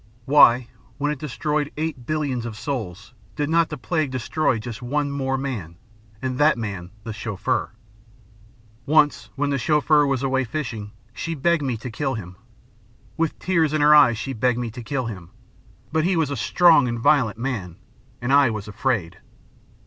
Why, when it destroyed eight billions of souls, did not the plague destroy just one more man, and that man the Chauffeur? "Once, when the Chauffeur was away fishing, she begged me to kill him. With tears in her eyes she begged me to kill him. But he was a strong and violent man, and I was afraid.